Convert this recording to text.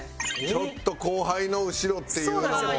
ちょっと後輩の後ろっていうのも。